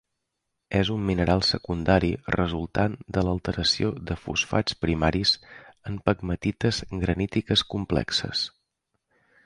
És un mineral secundari resultant de l'alteració de fosfats primaris en pegmatites granítiques complexes.